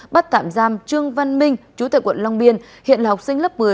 bắt tạm giam trương văn minh chú tại quận long biên hiện là học sinh lớp một mươi